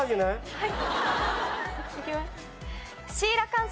はい。